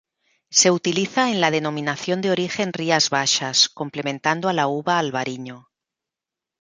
Se utiliza en la Denominación de Origen Rías Baixas, complementando a la uva albariño.